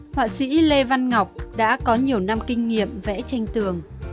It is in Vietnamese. họa sĩ lê văn ngọc đã có nhiều năm kinh nghiệm vẽ tranh tường